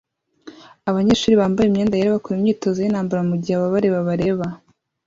Abanyeshuri bambaye imyenda yera bakora imyitozo yintambara mugihe abareba bareba